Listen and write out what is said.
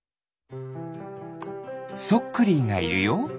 クリーがいるよ。